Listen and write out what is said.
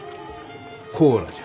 コーラじゃ。